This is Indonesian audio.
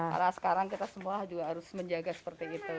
karena sekarang kita semua juga harus menjaga seperti itu